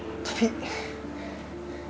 aku ngerti kalau kamu marah